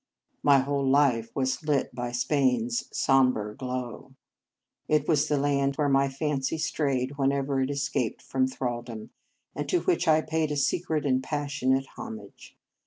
My whole life was lit by Spain s som bre glow. It was the land where my fancy strayed whenever it escaped from thraldom, and to which I paid a secret and passionate homage.